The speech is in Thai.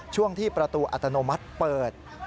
ช่วงที่ประตูอัตโนมัติเปิด